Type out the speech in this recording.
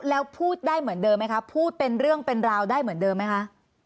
แล้วพูดได้เหมือนเดิมไหมคะพูดเป็นเรื่องเป็นราวได้เหมือนเดิมไหมคะ